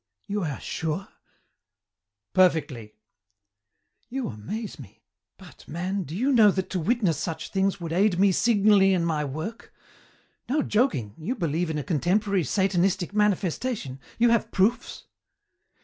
"You are sure?" "Perfectly." "You amaze me. But, man! do you know that to witness such things would aid me signally in my work? No joking, you believe in a contemporary Satanistic manifestation? You have proofs?"